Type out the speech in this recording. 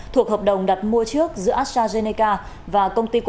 thuộc hợp đồng đặt mua trước giữa astrazeneca và công ty quốc gia